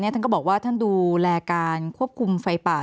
ท่านก็บอกว่าท่านดูแลการควบคุมไฟป่า